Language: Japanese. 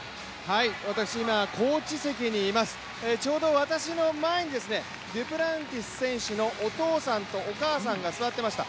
私、今、コーチ席にいます、ちょうど私の前にデュプランティス選手のお父さんとお母さんが座っていました。